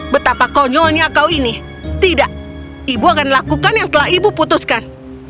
betapa konyolnya kau ini tidak ibu akan lakukan yang telah ibu putuskan